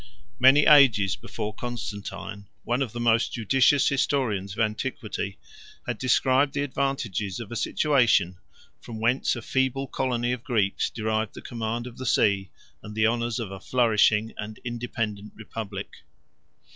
Many ages before Constantine, one of the most judicious historians of antiquity1 had described the advantages of a situation, from whence a feeble colony of Greeks derived the command of the sea, and the honors of a flourishing and independent republic.